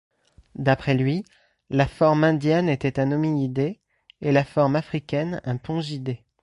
D'après lui la forme indienne était un hominidé et la forme africaine un pongidé.